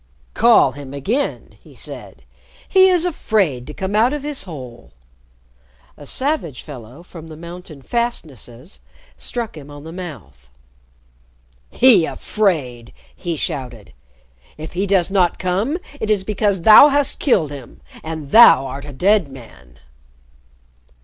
"Call him again," he said. "He is afraid to come out of his hole!" A savage fellow from the mountain fastnesses struck him on the mouth. "He afraid!" he shouted. "If he does not come, it is because thou hast killed him and thou art a dead man!"